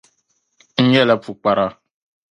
N nyɛla pukpara.